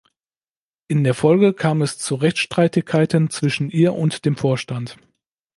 In der Folge kam es zu Rechtsstreitigkeiten zwischen ihr und dem Vorstand.